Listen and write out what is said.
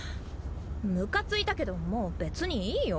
ムカついたけどもう別にいいよ。